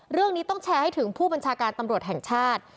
เรื่องนี้ต้องแชร์ให้ถึงผู้บัญชาการตำรวจแห่งชาติ